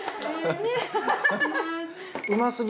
うますぎ